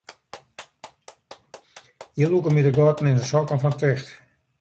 Hjir lûke my de gatten yn de sokken fan ticht.